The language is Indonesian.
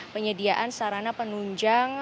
penyediaan sarana penunjang